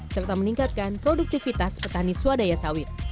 serta meningkatkan produktivitas petani swadaya sawit